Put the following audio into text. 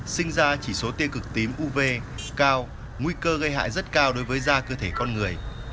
sinh ra chỉ số tiê cực tím uv cao nguy cơ gây hại rất cao đối với da cơ thể con người